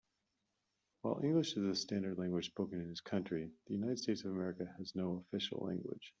While English is the standard language spoken in his country, the United States of America has no official language.